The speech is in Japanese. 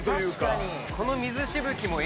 確かに。